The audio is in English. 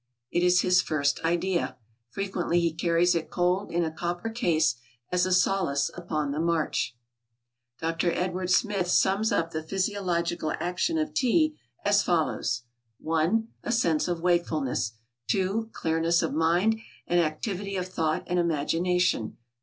It is his first idea. Frequently he carries it cold in a copper case as a solace upon the march." Dr. Edward Smith sums up the physiological action of tea as follows: "1 A sense of wakefulness. "2 Clearness of mind, and activity of thought and imagination.